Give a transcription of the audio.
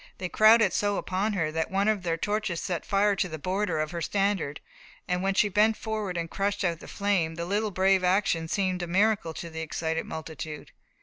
They crowded so upon her, that one of their torches set fire to the border of her standard, and when she bent forward and crushed out the flame, the little brave action seemed a miracle to the excited multitude.